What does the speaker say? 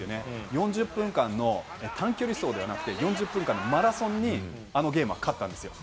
４０分間の短距離走ではなくて、４０分間のマラソンにあのゲームは勝ったんですよ。